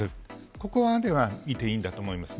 ここまでは見ていいんだと思いますね。